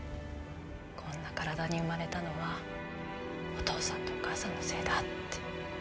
こんな体に生まれたのはお父さんとお母さんのせいだって。